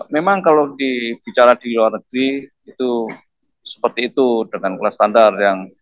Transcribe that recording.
memang kalau dibicara di luar negeri itu seperti itu dengan kelas standar yang